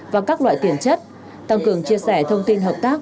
và các loại tiền chất tăng cường chia sẻ thông tin hợp tác